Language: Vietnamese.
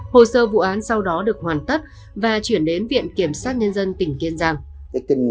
hồ sơ vụ án sau đó được hoàn tất và chuyển đến viện kiểm sát nhân dân tỉnh kiên giang